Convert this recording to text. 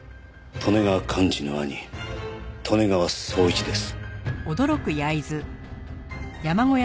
利根川寛二の兄利根川宗一です。